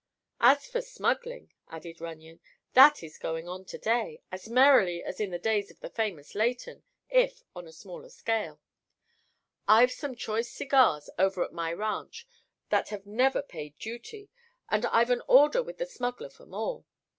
"As for smuggling," added Runyon, "that is going on to day—as merrily as in the days of the famous Leighton, if on a smaller scale. I've some choice cigars over at my ranch that have never paid duty, and I've an order with the smuggler for more.